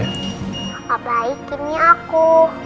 kau baik kini aku